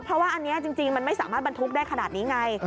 เพราะว่าอันนี้จริงมันไม่สามารถบรรทุกได้ขนาดนี้ไง